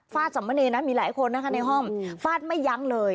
สมเนรนะมีหลายคนนะคะในห้องฟาดไม่ยั้งเลย